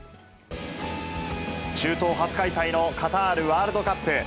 中東初開催のカタールワールドカップ。